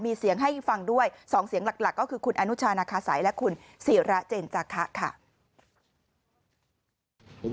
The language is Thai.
มีเสียงให้ฟังด้วย๒เสียงหลักก็คือคุณอนุชานาคาสัยและคุณศิระเจนจาคะค่ะ